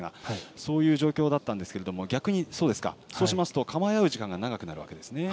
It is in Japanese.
そういう状況でしたが、逆にそうしますと構え合う時間が長くなるわけですね。